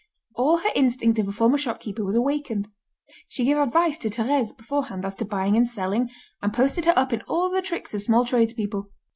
All her instinct of a former shopkeeper was awakened. She gave advice to Thérèse, beforehand, as to buying and selling, and posted her up in all the tricks of small tradespeople.